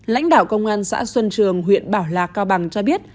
lãnh đạo công an xã xuân trường huyện bảo lạc cao bằng cho biết